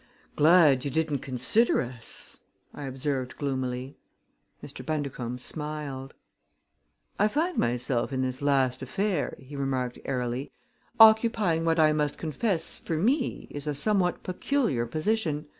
"Glad you didn't consider us," I observed gloomily. Mr. Bundercombe smiled. "I find myself in this last affair," he remarked airily, "occupying what I must confess, for me, is a somewhat peculiar position.